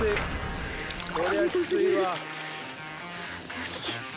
よし。